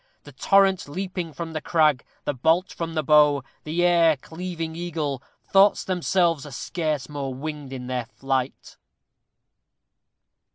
The torrent leaping from the crag the bolt from the bow the air cleaving eagle thoughts themselves are scarce more winged in their flight!